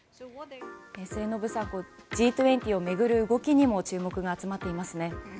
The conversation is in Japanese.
末延さん、Ｇ２０を巡る動きにも注目が集まっていますね。